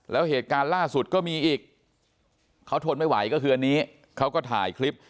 แล้วเหตุการณ์ล่าสุดก็มีอีกเขาทนไม่ไหวก็คืออันนี้เขาก็ถ่ายคลิป